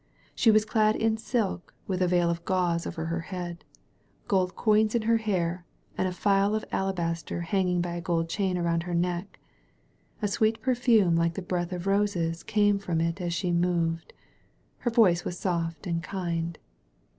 She was clad in silk, with a veil of gauze over her head, gold coins in her hair, and a phial of alabaster hanging by a gold chain around her neck. A sweet perfume like the breath of roses came from it as she moved. Her voice was soft and kind.